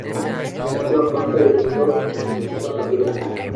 Mezclan Fanta y Eristoff en una cazuela.